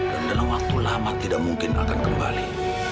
dan dalam waktu lama tidak mungkin akan kembali